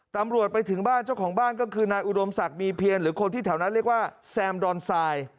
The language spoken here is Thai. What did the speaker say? ตำรวจไปถึงบ้านเจ้าของบ้านก็คือนายอุดมศักดิ์มีเพียรหรือคนที่แถวนั้นเรียกว่าแซมดอนทราย